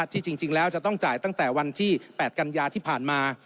ที่จริงแล้วจะต้องจ่ายตั้งแต่วันที่๘กันยาที่ผ่านมา